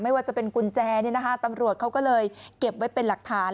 ไม่ว่าจะเป็นกุญแจเนี่ยนะคะตำรวจเขาก็เลยเก็บไว้เป็นหลักฐาน